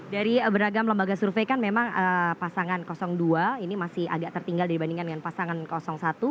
dari beragam lembaga survei kan memang pasangan dua ini masih agak tertinggal dibandingkan dengan pasangan satu